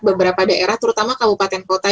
beberapa daerah terutama kabupaten kota